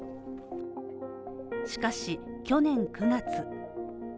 しかし、去年９月。